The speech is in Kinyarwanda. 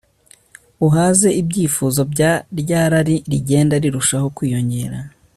uhaze ibyifuzo bya rya rari rigenda rirushaho kwiyongera